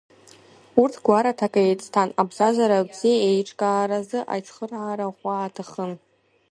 Урҭ гәараҭак еицҭан, абзазара бзиа еиҿкаараз, аицхыраара ӷәӷәа аҭахын.